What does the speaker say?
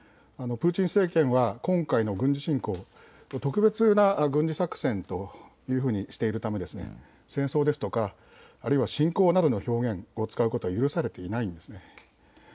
プーチン政権は今回の軍事侵攻を特別な軍事作戦というふうにしているため戦争ですとか、あるいは侵攻などの表現を使うことは許されていないんです。